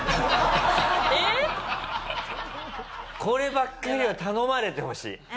こればっかりは頼まれてほしい。